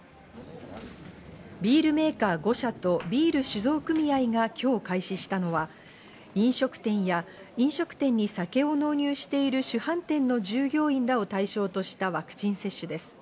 ビールメーカー５社とビール酒造組合が今日開始したのは、飲食店や飲食店に酒を納入している酒販店の従業員らを対象としたワクチン接種です。